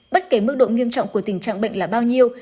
bất kể mức độ nghiêm trọng của tình trạng bệnh là bao nhiêu